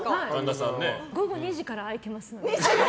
午後２時から空いてますので。